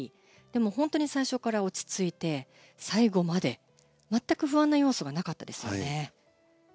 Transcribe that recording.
でも、本当に最初から落ち着いて最後まで全く不安な要素がなかったですね。